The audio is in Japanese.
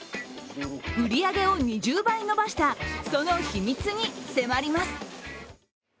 売り上げを２０倍伸ばしたその秘密に迫ります。